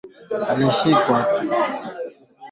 Dunia ya sasa anakuwa ata baba na mtoto bana fanya ndowa